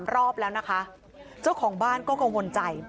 รอบแล้วนะคะเจ้าของบ้านก็กังวลใจ